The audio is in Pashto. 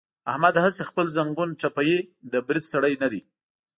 احمد هسې خپل زنګون ټپوي، د برید سړی نه دی.